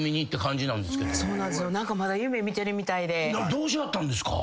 どうしはったんですか？